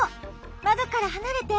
まどからはなれて。